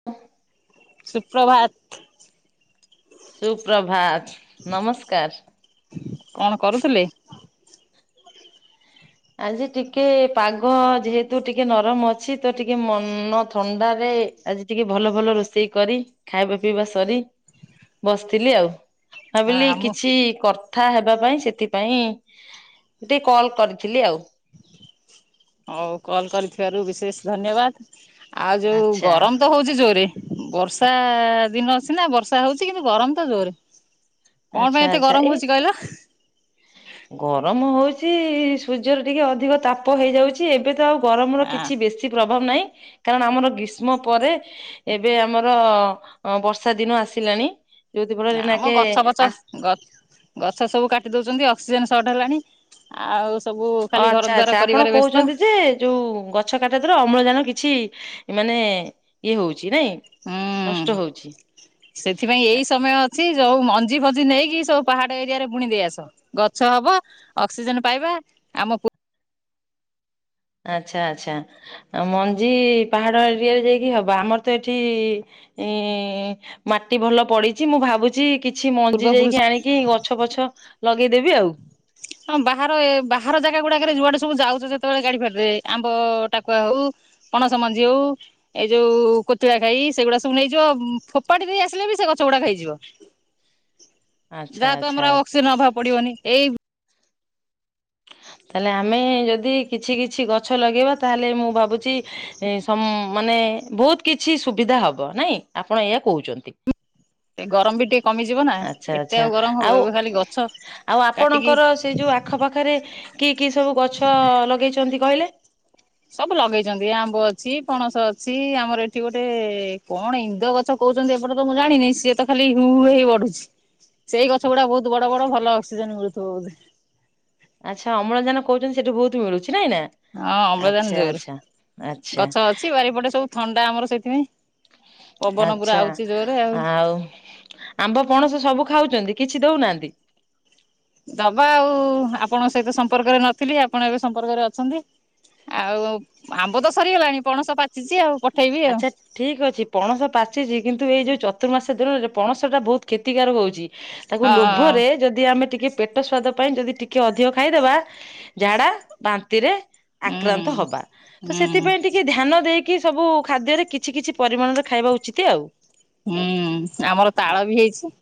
[inaudible] ସୁପ୍ରଭାତ। ସୁପ୍ରଭାତ ନମସ୍କାର। କଣ କରୁଥିଲେ? ଆଜି ଟିକେ ପାଗ ଯେହେତୁ ଟିକେ ନରମ ଅଛି ତ ଟିକେ ମନ ଥଣ୍ଡାରେ ଆଜି ଟିକେ ଭଲ ଭଲ ରୋଷେଇ କରି, ଖାଇବା ପିଇବା ସରି ବସିଥିଲି ଆଉ। ଭାବିଲି ଆମ କିଛି କଥା ହେବା ପାଇଁ ସେଥିପାଇଁ ଟିକେ କଲ କରି ଥିଲି ଆଉ। ହଉ କଲ କରିଥିବାରୁ ବିଶେଷ ଧନ୍ୟବାଦ ଆଉ ଯୋଉ ଆଚ୍ଛା ଗରମ ତ ହଉଛି ଜୋରରେ ବର୍ଷା ଦିନ ସିନା ବର୍ଷା ହଉଛି କିନ୍ତୁ ଗରମ ତ ଜୋରରେ। ଆଚ୍ଛା ଆଚ୍ଛା ଏ ଗରମ ହଉଛି ସୂର୍ଯ୍ୟର ଟିକେ ଅଧିକ ତାପ ହେଇଯାଉଛି। ଏବେ ତ ଆଉ ଗରମର ନା କିଛି ବେଶୀ ପ୍ରଭାବ ନାହିଁ, କାରଣ ଆମର ଗ୍ରୀଷ୍ମ ପରେ ଏବେ ଆମର ବର୍ଷା ଦିନ ଆସିଲାଣି ଯୋଉଥି ଫଳରେ ଆମ ନାକେ ଗଛ ଫଛ ଆସ ଗଛ ସବୁ କାଟି ଦଉଛନ୍ତି ଅକ୍ସିଜେନ ସର୍ଟ ହେଲାଣି ଆଉ। ସବୁ ଖାଲି ଘର ଆଚ୍ଛା ଦ୍ୱାର ଆଚ୍ଛା ଆପଣ କରିବାରେ ବ୍ୟସ୍ତ କହୁଛନ୍ତି ଯେ। ଯୋଉ ଗଛ କାଟିବା ଦ୍ୱାରା ଅମ୍ଳଜାନ କିଛି ମାନେ ଇଏ ହଉଛି ନାଇଁ। ହୁଁ। ନଷ୍ଟ ହଉଛି। ସେଥିପାଇଁ ଏଇ ସମୟ ଅଛି ଯୋଉ ମଞ୍ଜି ଫଞ୍ଜି ନେଇକି ସବୁ ପାହାଡ ଏରିଆରେ ବୁଣି ଦେଇ ଆସ। ଗଛ ହବ ଅକ୍ସିଜେନ ପାଇବା ଆମକୁ ଆଚ୍ଛା ଆଚ୍ଛା ମଞ୍ଜି ପାହାଡ ଏରିଆରେ ଯାଇକି ହବ ଆମର ତ ଏଠି। ଉଁ ମାଟି ଭଲ ପଡିଛି ମୁଁ ଭାବୁଚି। କିଛି ପୂର୍ବ ମଞ୍ଜି ପୁରୁଷ ଯାଇକି ଆଣିକି ଗଛ ପଛ ଲଗେଇଦେବି ଆଉ। ହଁ ବାହାର ବାହାର ଜାଗା ଗୁଡାକରେ ଯୁଆଡେ ସବୁ ଯାଉଛ ଯେତେବେଳେ ଗାଡି ଫାଡିରେ ଆମ୍ବ ଟାକୁଆ ହଉ। ପଣସ ମଞ୍ଜି ହଉ। ଏଇ ଯୋଉ କୋତିଳା ଖାଇ ସେଗୁଡା ସବୁ ନେଇଯିବ ଫୋପାଡି ଦେଇ ଆସିଲେ ବି ସେ ଗଛ ଗୁଡାକ ହେଇଯିବ। [inaudible] ଯାହା ତ ଆଚ୍ଛା ଆମର ଆଉ ଅକ୍ସିଜେନ ଅଭାବ ପଡିବନି ଏଇ ତାହେଲେ ଆମେ ଯଦି କିଛି କିଛି ଗଛ ଲଗେଇବା ତାହେଲେ ମୁଁ ଭାବୁଛି। ମାନେ ବହୁତ କିଛି ସୁବିଧା ହବ ନାଇଁ ଆପଣ ଏଇଆ କହୁଛନ୍ତି। ଗରମ ବି ଟିକେ କମିଯିବ ନା ଆଚ୍ଛା ଏତେ ଆଚ୍ଛା ଆଉ ଗରମ ହବ ଆଉ ଏବେ ଖାଲି ଗଛ ଆଉ କାଟିକି ଆପଣଙ୍କର ସେଇ ଯୋଉ ଆଖ ପାଖରେ କି କି ସବୁ ଗଛ ଲଗେଇଛନ୍ତି କହିଲେ? ସବୁ ଲଗେଇଛନ୍ତି ଆମ୍ବ ଅଛି ପଣସ ଅଛି ଆମର ଏଠି ଗୋଟେ କଣ ଇନ୍ଦ ଗଛ। କହୁଛନ୍ତି ଏପଟ ତ ମୁଁ ଜାଣିନି ସିଏ ତ ଖାଲି ହୁ ହୁ ହେଇ ବଢୁଛି। ସେଇ ଗଛ ଗୁଡା ବହୁତ ବଡ ବଡ ଭଲ ଅକ୍ସିଜେନ ମିଳୁଥିବ ବୋଧେ। ଆଚ୍ଛା ଅମ୍ଳଜାନ କହୁଛନ୍ତି ସେଠୁ ବହୁତ ମିଳୁଛି ନାଇଁ ନା। ହଁ ଅମ୍ଳଜାନ ଆଚ୍ଛା ଜୋର ଆଚ୍ଛା ଆଚ୍ଛା ଗଛ ଅଛି ବାରିପଟେ ସବୁ ଥଣ୍ଡା ଆମର ସେଇଥିପାଇଁ। ପବନ ପୁରା ଆଚ୍ଛା ଆଉଛି ଜୋରରେ ଆଉ ଆମ୍ବ ପଣସ ସବୁ ଖାଉଛନ୍ତି କିଛି ଦଉନାହାନ୍ତି। ଦବା ଆଉ ଆପଣଙ୍କ ସହିତ ସମ୍ପର୍କରେ ନଥିଲି ଆପଣ ଏବେ ସମ୍ପର୍କରେ ଅଛନ୍ତି। ଆଉ ଆମ୍ବ ତ ସରିଗଲାଣି ପଣସ ପାଚିଛି ଆଉ ପ ଆଚ୍ଛା। ଠିକ ଅଛି ପଣସ ପାଚିଛି କିନ୍ତୁ ଏଇ ଯୋଉ ଚତୁର୍ମାସ ଦିନରେ ପଣସ ଟା ବହୁତ କ୍ଷତିକାରକ ହଉଛି। ତାକୁ ହଁ। ଲୋଭରେ ଯଦି ଆମେ ଟିକେ ପେଟ ସ୍ୱାଦ ପାଇଁ ଯଦି ଟିକେ ଅଧିକ ଖାଇଦେବା ଝାଡା ବାନ୍ତିରେ। ହଁ ଆକ୍ରାନ୍ତ ହବା ତ ହୁଁ ସେଥିପାଇଁ ଟିକେ ଧ୍ୟାନ ଦେଇକି ସବୁ। ଖାଦ୍ୟରେ କିଛି କିଛି ପରିମାଣରେ ଖାଇବା ଉଚିତ ଆଉ। ହୁଁ ଆମର ତାଳ ବି ହେଇଛି।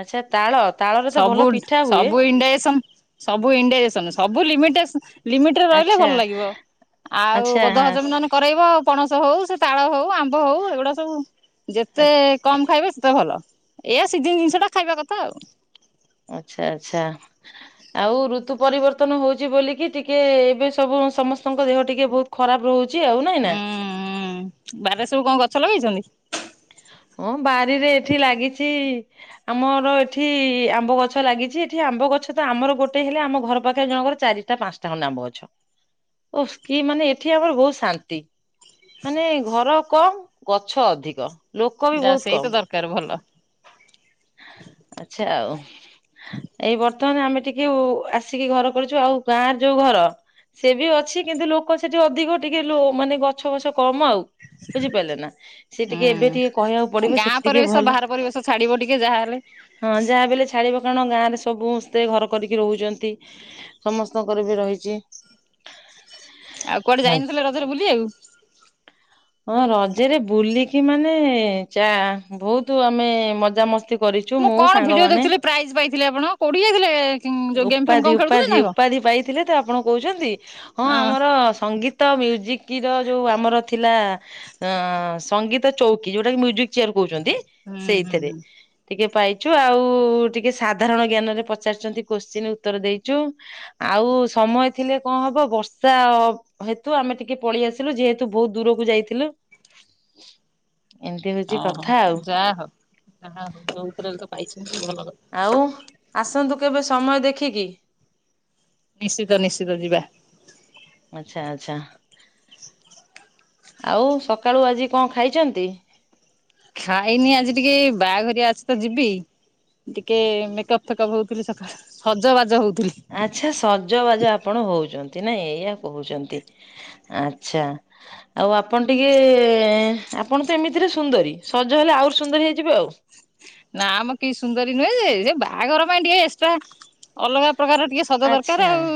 ଆଚ୍ଛା ତାଳ ତାଳରେ ତ ଭଲ ସବୁ ପିଠା ହୁଏ ସବୁ ଇଣ୍ଡଡାଇଯେଶନ। ସବୁ ଇନଡାଇଜେଶନ ସବୁ ଲିମିଟେସ ଲମିଟରେ ରହିଲେ ଆଚ୍ଛା ଭଲ ଲାଗିବ। ଆଉ ଆଚ୍ଛା ବଧ ଭଜମୀ ନହେଲେ କରେଇବ ଆଉ। ପଣସ ହଉ ସେ ତାଳ ହଉ ଆମ୍ବ ହଉ ଏଗୁଡା ସବୁ ଯେତେ କମ ଖାଇବେ ସେତେ ଭଲ। ଏଇଆ ସିଜିନ ଜିନିଷଟା ଖାଇବା କଥା ଆଉ। ଆଚ୍ଛା ଆଚ୍ଛା। ଆଉ ଋତୁ ପରିବର୍ତନ ହଉଛି ବୋଲିକି ଟିକେ ଏବେ ସବୁ ସମସ୍ତଙ୍କ ଦେହ ଟିକେ ବହୁତ ଖରାପ ରହୁ ଚି ଆଉ ନାଇଁ ହୁଁ ନା। ହୁଁ ବାରିରେ ସବୁ କଣ ଗଛ ଲଗେଇଛନ୍ତି? ହଁ ବାରିରେ ଏଠି ଲାଗିଛି। ଆମର ଏଠି ଆମ୍ବ ଗଛ ଲାଗିଛି, ଏଠି ଆମ୍ବ ଗଛ ତ ଆମର ଗୋଟେ ହେଲେ ଆମ ଘର ପାଖରେ ଜଣଙ୍କର ଚାରି ପାଞ୍ଚଟାଙ୍କ ନାମ ଅଛ ଓ କି ମାନେ ଏଠି ଆମର ବୋହୁ ଶାନ୍ତି। ମାନେ ଘର କମ୍ ଗଛ ଅଧିକ। ଲୋକ ବି ଯା ବହୁତ ସେଇ କମ ତ ଦରକାର ଭଲ। ଆଚ୍ଛା ଆଉ। ଏଇ ବର୍ତ୍ତମାନ ଆମେ ଟିକେ ଆସିକି ଘର କରିଛୁ ଆଉ ଗାଁର ଯୋଉ ଘର ସେ ବି ଅଛି କିନ୍ତୁ ଲୋକ ସେଠି ଅଧିକ ଟିକେ ମାନେ ଗଛ ବଛ କମ ଆଉ। ବୁଝିପାରିଲେ ନା। ସେ ଟିକେ ଏବେ ଟିକେ କହିବାକୁ ପଡିବ ସେଠି ଟିକେ ଭଲ। ଛାଡ଼ିବ ଟିକେ ଯାହାହେଲେ ହଁ ଯାହା ବଲେ ଛାଡିବ କାରଣ ଗାଁ ରେ ସବୁ ସମସ୍ତେ ଘର କରିକି ରହୁଛନ୍ତି। ସମସ୍ତଙ୍କର ବି ରହିଛି। ଆଉ କୁଆଡେ ଯାଇନଥିଲେ ରଜରେ ବୁଲିବା କୁ? [inaudible] ହଁ ରଜରେ ବୁଲିକି ମାନେ, ଚା ବହୁତ ଆମେ ମଜାମସ୍ତି। କରିଛୁ ମୁଁ କଣ ଭିଡ଼ିଓ ସାଙ୍ଗମାନେ ଦେଖୁଥିଲି ପ୍ରାଇଜ୍ ପାଇଥିଲେ ଆପଣ? କୋଡ଼ିଏ ଯାଇଥିଲେ ଯେଉଁ ଗେମ୍ ଫେମ୍ ଉପାଧି କଣ ଖେଳୁଥିଲେ ଉପାଧି ନା କଣ? ଉପାଧି ପାଇଥିଲେ ତ ଆପଣ କହୁଛନ୍ତି, ହଁ କଣ? ଆମର ସଙ୍ଗୀତ। ତ ମ୍ୟୁଜିକ ର ଯୋଉ ଆମର ଥିଲା, ଅ ସଙ୍ଗୀତ ଚୌକି, ଯୋଉଟା କି ମୁଜିକ୍ କହୁଛନ୍ତି ହୁଁ ହୁଁ ସେଇଥିରେ ହୁଁ ଟିକେ ପାଇଛୁ ଆଉ ଟିକେ ସାଧାରଣ ଜ୍ଞାନରେ ପଚାରିଛନ୍ତି କୋଶ୍ଚିନ୍ ଉତ୍ତର ଦେଇଛୁ। ଆଉ ସମୟ ଥିଲେ କଣ ହବ ବର୍ଷା। ହେତୁ, ଆମେ ଟିକେ ପଳେଇ ଆସିଲୁ। ଯେହେତୁ ବହୁତ ଦୂରକୁ ଯାଇଥିଲୁ। ଏମିତି ହଉଛି କଥା ଆଉ। ଓହୋ [unintelligible] ପାଇଛନ୍ତି ଭଲ ଆଉ ଆସନ୍ତୁ କେବେ ସମୟ ଦେଖିକି। ନିଶ୍ଚିତ ନିଶ୍ଚିତ ଯିବା। ଆଚଛା ଆଚଛା। ଆଉ ସକାଳୁ ଆଜି କଣ ଖାଇଛନ୍ତି? ଖାଇନି ଆଜି ଟିକେ ବାହାଘର ଆସ ତ ଯିବି। ଟିକେ ମେକପ୍ ଫେକପ୍ ହଉଥିଲିକା ସଜ ବାଜ ହଉଥିଲି। ଆଚ୍ଛା ସଜବାଜ ଆପଣ ହଉଛନ୍ତି। ନାଇଁ ଏଇଆ କହୁଛନ୍ତି ଆଚ୍ଛା। ଆଉ ଆପଣ ଟିକେ, ଆପଣ ତ ଏମିତିରେ ସୁନ୍ଦରୀ, ସଜ ହେଲେ ଆହୁରି ସୁନ୍ଦରୀ ହେଇଯିବ ଆଉ ନା ଆମ କିଛି ସୁନ୍ଦରୀ ନୁହେଁ ଯେ, ବାହାଘର ପାଇଁ ଟିକେ ଏକ୍ସଟ୍ରା। ଅଲଗା ପ୍ରକାର ଟିକେ ସଦ ଦରକାର ଆଚ୍ଛା ଆଉ।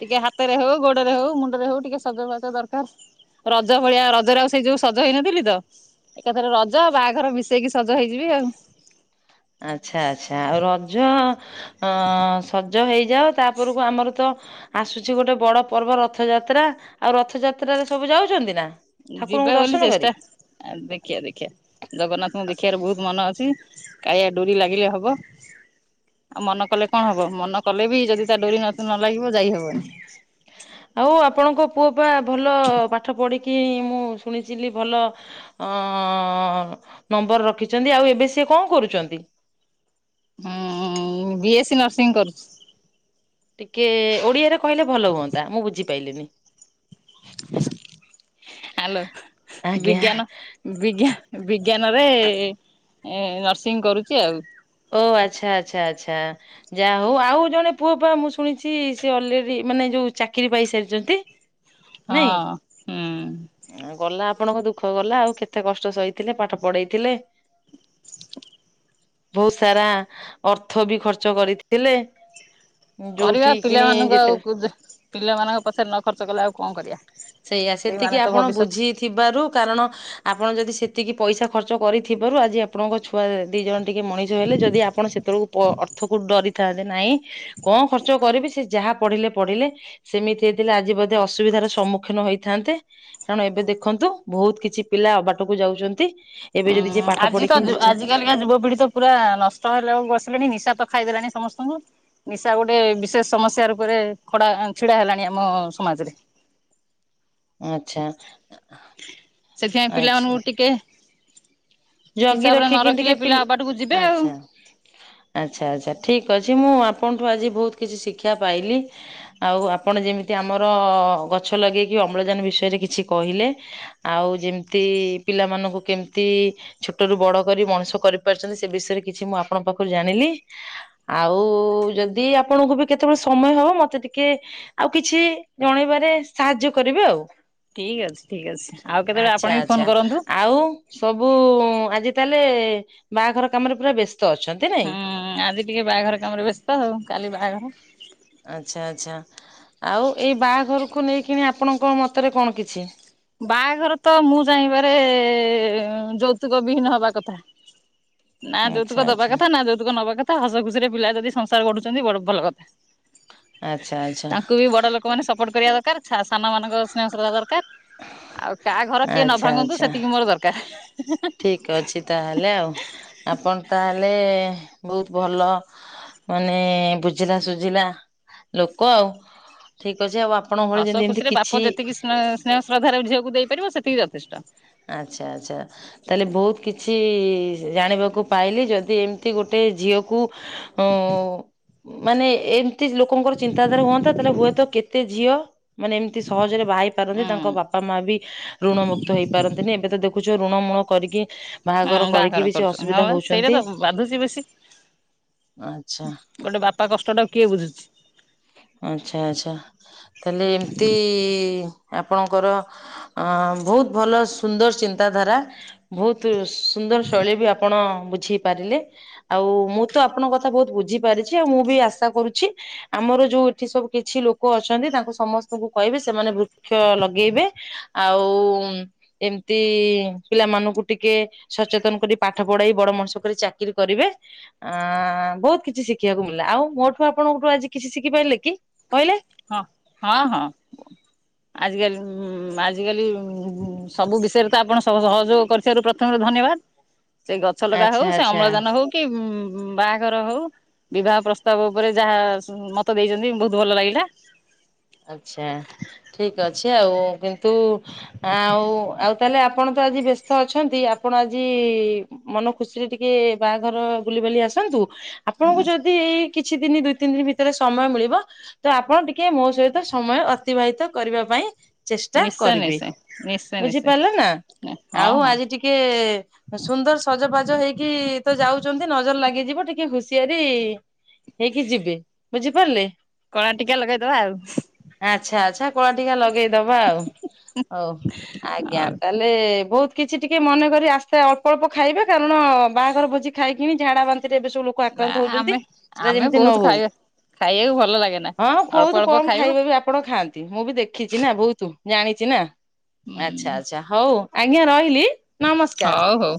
ଟିକେ ହାତରେ ହଉ, ଗୋଡରେ ହଉ, ମୁଣ୍ଡରେ ହଉ, ଟିକେ ଶଜବାଜ୍ ଦରକାର। ରଜ ଭଳିଆ ରଜରେ ଆଉ ସେଇ ଯୋଉ ସଜ ହେଇନଥିଲି ତ, ଏକାଥରେ ରଜ ବାହାଘର ମିଶେଇକି ସଜ ହେଇକି ଯିବି ଆଉ। ଆଚଛା ଆଚ୍ଛା ଆଉ ରଜ ଅ ସ ଜ ହେଇଯାଅ ତାପରକୁ ଆମର ତ ଆସୁଛି ଗୋଟେ ବଡ ପର୍ବ ରଥଯାତ୍ରା ଆଉ ରଥଯାତ୍ରରେ ସବୁ ଯାଉଛନ୍ତି ନା। ଠାକୁରଙ୍କୁ ଦର୍ଶନ କରି। ଆ ଦେଖିିବା ଦେଖିଆ ଜଗନ୍ନାଥଙ୍କୁ ଦେଖିବାର ବହୁତ ମନ ଅଛି। କାଳୀଆ ଡୋରି ଲାଗିଲେ ହବ। ଆଉ ମନ କଲେ କଣ ହବ। ମନ କଲେ ବି ଯଦି ତା ଡୋରି ନ ନ ଲାଗିବ ଯାଇ ହବନି। ଆଉ ଆପଣଙ୍କ ପୁଅ ପା ଭଲ ପାଠ ପଢିକି ମୁଁ ଶୁଣିଚି ଭଲ। ଅ, ନମ୍ବର ରଖିଛନ୍ତି ଆଉ ଏବେ ସି କଣ କରୁଛନ୍ତି? ହଁ ବି ଏସ୍ ସି ନର୍ସିଂ କରୁଛି। ଟିକେ ଓଡିଆରେ କହିଲେ ଭଲ ହୁଅନ୍ତା। ମୁଁ ବୁଝିପାରଲିିନି। ହ୍ୟାଲୋ ଆଜ୍ଞା। ବିଜ୍ଞାନ। ବିଜ୍ଞା ବିଜ୍ଞାନରେ ନର୍ସିଂ କରୁଚି ଆଉ। ଓ ଆଚ୍ଛା ଆଚ୍ଛା ଆଚ୍ଛା। ଯାହା ହଉ ଆଉ ଜଣେ ପୁଅ ପା ମୁଁ ଶୁଣିଚି ସେ ଅଲରେଡି ମାନେ ଯୋଉ ଚାକିରି ପାଇସାରିଛନ୍ତି। ନାଇଁ ହଁ ହୁଁ। ଗଲା ଆପଣଙ୍କ ଦୁଃଖ ଗଲା ଆଉ କେତେ କଷ୍ଟ ସହିଥିଲେ ପାଠ ପଢେଇଥିଲେ। ବୋହୁତ ସାରା ଅର୍ଥ ବି ଖର୍ଚ୍ଚ କରିଥିଲେ। କରିବା ଯୋଉଠି କିଣି ପିଲାମାନଙ୍କୁ ଯେତେ ଆଉ ପିଲାମାନଙ୍କ ପଛରେ ନ ଖର୍ଚ୍ଚ କଲେ ଆଉ କଣ କରିବା। ସେଇଆା ସେଇମାନେ ସେତିକି ତ ଆପଣ ଭବିଷ୍ୟତ ବୁଝି ଥିବାରୁ କାରଣ ଆପଣ ଯଦି ସେତିକି ପଇସା ଖର୍ଚ୍ଚ କରିଥିବାରୁ ଆଜି ଆପଣଙ୍କ ଛୁଆ ଦି ଜଣ ଟିକେ ମଣିଷ ହେଲେ ଯଦି ଆପଣ ସେତେବେଳକୁ ଅର୍ଥକୁ ଡରିଥାନ୍ତେ ନାହିଁ କଣ ଖର୍ଚ୍ଚ କରିବି ସେ ଯାହା ପଢିଲେ ପଢିଲେ ସେମିତି ହେଇଥିଲେ ଆଜି ବୋଧେ ଅସୁବିଧାର ସମ୍ମୁଖୀନ ହେଇଥାନ୍ତେ। କାରଣ ଏବେ ଦେଖନ୍ତୁ ବୋହୁତ କିଛି ପିଲା ଅବାଟକୁ ଯାଉଛନ୍ତି। ଏବେ ଯଦି ଯିଏ ପାଠ ପଢେ କି ଯିଝେ ଆଜ୍ଞା ଯୁବପିଢି ତ ପୁରା ନଷ୍ଟ ହେଲେ ଆଉ ବସିଲେଣି ନିଶା ତ ଖାଇଦେଲାଣି ସମସ୍ତଙ୍କୁ। ନିଶା ଗୋଟେ ବିଶେଷ ସମସ୍ୟା ରୂପରେ ଖଡା ଛିଡା ହେଲାଣି ଆମ ସମାଜରେ। ଆଛା ସେଥିପାଇଁ ପିଲାମାନଙ୍କୁ ଆଛା। ଟିକେ ଜଗି ହିସାବରେ ନ ରଖି କିଣ ରଖିଲେ ଟିକେ ପିଲ୍ ପିଲା ଅବାଟକୁ ଯିବେ ଆଉ। ଆଚ୍ଛା। ଆଚ୍ଛା ଆଚ୍ଛା ଠିକ୍ ଅଛି ମୁଁ ଆପଣଠୁ ଆଜି ବୋହୁତ କିଛି ଶିକ୍ଷା ପାଇଲି। ଆଉ ଆପଣ ଯେମିତି ଆମର ଗଛ ଲଗେଇକି ଅମ୍ଳଜାନ ବିଷୟରେ କିଛି କହିଲେ ଆଉ ଯେମିତି ପିଲାମାନଙ୍କୁ କେମିତି ଛୋଟରୁୁ ବଡ କରି ମଣିଷ କରିପାରିଚନ୍ତି ସେ ବିଷୟରେ କିଛି ମୁଁ ଆପଣଙ୍କ ପାଖରୁ ଜାଣିଲି ଆଉ ଯଦି ଆପଣଙ୍କୁ ବି କେତେବେଳେ ସମୟ ହବ ମତେ ଟିକେ ଆଉ କିଛି ଜଣେଇବାରେ ସାହାଯ୍ୟ କରିବେ ଆଉ। ଠିକ ଅଛି ଠିକ ଅଛି ଆଉ କେତେବେଳେ ଆଚ୍ଛା ଆପଣ ବି ଆଚ୍ଛା। ଫୋନ କରନ୍ତୁ। ଆଉ ସବୁ ଆଜି ତାହେଲେ ବାହାଘର କାମରେ ପୁରା ବ୍ୟସ୍ତ ଅଛନ୍ତି ନାଇଁ। ହଁ ଆଜି ଟିକେ ବାହାଘର କାମରେ ବ୍ୟସ୍ତ ଆଉ କାଲି ବାହାଘର। ଆଚ୍ଛା ଆଚ୍ଛା ଆଉ ଏଇ ବାହାଘରକୁ ନେଇକିଣି ଆପଣଙ୍କ ମତରେ କଣ କିଛି ବାହାଘର ତ ମୁଁ ଚାହିଁବାରେ ଯୌତୁକ ବିହୀନ ହବା କଥା। ନା ଆଚ୍ଛା ଯୌତୁକ ଦବା ଆଚ୍ଛା। କଥା ନା ଯୌତୁକ ନବା କଥା ହସ ଖୁସିରେ ପିଲା ଯଦି ସଂସାର ଗଢୁଛନ୍ତି ବଡ ଭଲ କଥା। ଆଚ୍ଛା ଆଚ୍ଛା ତାଙ୍କୁ ବି ବଡ ଲୋକ ମାନେ ସପୋର୍ଟ କରିବା ଦରକାର ସାନ ମାନଙ୍କ ସ୍ନେହ ଶ୍ରଧା ଦରକାର। ଆଉ କାହା ଘର କିଏ ନ ଆଚ୍ଛା ଭାଙ୍ଗନ୍ତୁ ସେତିକି ମୋର ଦରକାର। ଠିକ ଅଛି ତାହେଲେ ଆଉ ଆପଣ ତାହେଲେ ବୋହୁତ ଭଲ। ମାନେ ବୁଝିଲା ସୁୁଝିଲା ଲୋକ ଆଉ ଠିକ ଅଛି ଆଉ ବାପ ହସ ଖୁସିରେ ବାପ ଯେତିକି ସ୍ନେହ ସେନ୍ହେଶ୍ରଦ୍ଧାରେ ଗୋଟେ ଝିଅ କୂ ଦେଇପାରିବ ସେତିକି ଯଥେଷ୍ଟ। ଆଛା ଆଚ୍ଛା। ତାହେଲେ ବୋହୁତ କିଛି ଜାଣିବାକୁ ପାଇଲି ଯଦି ଏମିତି ଗୋଟେ ଝିଅକୁ ଓ। ମାନେ ଏମିତି ଲୋକଙ୍କର ଚିନ୍ତାଧାରା ହୁଅନ୍ତା ତାହେଲେ ହୁଏତ କେତେ ଝିଅ ମାନେ ଏମିତି ସହଜରେ ବାହା ପାରନ୍ତି ହୁଁ ତାଙ୍କ ବାପା ମା ବି ଋଣ ମୁକ୍ତ ମୁକ୍ତ ହେଇପାରନ୍ତିନି ଏବେ ତ ଦେଖୁଚ ଋଣ ମୂଣ କରିକି ଅଁ କରିକି ବାହାଘର ବି ସେ କରୁଚନ୍ତି ହଁ ଅସୁବିଧା ପା ସେଇଟା ହଉଛନ୍ତି। ତ ବାଧୁଚି ବେଶୀ। ଆଚ୍ଛା ଗୋଟେ ବାପା କଷ୍ଟ ଟାକୁ କିଏ ବୁଝୁଚି। ଆଛା ଆଛା। ତାହେଲେ ଏମିତି ଆପଣଙ୍କର ବୋହୁତ ଭଲ ସୁନ୍ଦର ଚିନ୍ତାଧାରା ବୋହୁତ ସୁନ୍ଦର ଶୈଳୀ ବି ଆପଣ ବୁଝି ପାରିଲେ ଆଉ ମୁଁ ତ ଆପଣଙ୍କ କଥା ବୋହୁତ ବୁଝି ପାରିଚି ଆଉ ମୁଁ ବି ଆଶା କରୁଚି ଆମର ଯୋଉ ଏଠି ସବୁ କିଛି ଲୋକ ଅଛନ୍ତି ତାଙ୍କୁ ସମସ୍ତଙ୍କୁ କହିବେ ସେମାନେ ବୃ ଲଗେଇବେ, ଆଉ ଏମ୍ତି ପିଲାମାନଙ୍କୁ ଟିକେ ସଚେତନ୍‌ କରି, ପାଠ ପଢ଼େଇ, ବଡ଼ ମଣିଷ କରି ଚାକିରି କରିବେ। ଆଁ ବହୁତ୍ କିଛି ଶିଖିବାକୁ ମିଳ୍ଲା, ଆଉ ମୋଠୁ ଆପଣ--ଠୁ ଆଜି କିଛି ଶିଖି ପାଇଲେ କି? କହିଲେ। [inaudible] ସବୁ ବିଷୟରେ ତ ଆପଣ ସହଯୋଗ କର୍ ଥିବାରୁ, ପ୍ରଥମରୁ ଧନ୍ୟବାଦ୍‌। ସେଇ ଗଛ ଲଗା ଆଚ୍ଛା ହଉ, ସେ ଆଚ୍ଛା ଅମ୍ଳଜାନ ହଉ କି, ବାହାଘର ହଉ। ବିବାହ ପ୍ରସ୍ତାବ ଉପରେ ଯାହା ମତ--ଦେଇଚନ୍ତି, ବହୁତୁ ଭଲ ଲାଗିଲା। ଆଚ୍ଛା, ଠିକ୍ ଅଛି ଆଉ। କିନ୍ତୁ ଆଉ ତା--ଲେ ଆପଣ ତ ଆଜି ବେସ୍ତ ଅଛନ୍ତି। ଆପଣ ଆଜି ମନ ଖୁସିରେ ଟିକେ ବାହା ଘର ବୁଲିିବାଲି ଆସନ୍ତୁ। ଆପଣଙ୍କୁ ଯଦି କିଛି ଦିନି ଦୁଇ ତି ଦିନ୍‌ ଭିତରେ ସମୟ ମିଳିବ ତ। ଆପଣ ଟିକେ ମୋ ସ ସମୟ ଅତିବାହିତ କରିବା ପାଇଁ ଚେଷ୍ଟା ନିଶ୍ଚୟ କରିବି, ନିଶ୍ଚୟ ନିଶ୍ଚୟ ବୁଝି ନିଶ୍ଚୟ ପାର୍ଲେ ନା? ହଁ ଆଉ ହଁ ଆଜି ଟିକେ ସୁନ୍ଦର୍ ସଜବାଜ ହେଇକି ତ ଯାଉଚନ୍ତି, ନଜର୍ ଲାଗିଯିବ, ଟିକେ ହୁସିଆରି। ହେଇକି ଯିବେ, ବୁଝି ପାର୍ଲେ? କଳା ଟିକା ଲଗେଇ ଦବା ଆଉ। ଆଚ୍ଛା ଆଚ୍ଛା କଳା ଟିକା ଲଗେଇ ଦବା, ଆଉ ଉ ଆଜ୍ଞା। ହଉ ହେଲେ ବହୁତ୍, କିଛି ଟିକେ ମନେ କରି ଆସ୍ତେ ଅଳ୍ପ ଅଳ୍ପ ଖାଇବେ। କାରଣ ବାହାଘର ଭୋଜି ଖାଇକି ଝାଡ଼ା ବା ରେ ଏବେ ସବୁ ଲୋକ ନା ଆକ୍ରାନ୍ତ ହଉଚନ୍ତି, ଆମେ ସେଟା ଆମେ ଯେମିତି ନ ବହୁତ ହଉ। ଖାଇବା ଖାଇବାକୁ ଭଲ ଲାଗେ ନା ହଁ ଅଳ୍ପ ଅଳ୍ପ କମ ଖାଇବୁ ଖାଇବା ବି ଆପଣ ଖାଆନ୍ତି। ମୁଁ ବି ଦେଖିଚି ନା ବହୁତୁ, ଜାଣିଚି ନା। ହୁଁ ଆଚ୍ଛା ହଉ ଆଜ୍ଞା ରହିଲି, ନମସ୍କାର୍। ହଉ ହଉ